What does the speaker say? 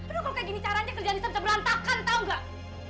aduh kalau kayak gini caranya kerjaan bisa berlantakan tau gak